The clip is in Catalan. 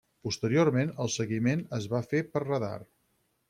Posteriorment el seguiment es va fer per radar.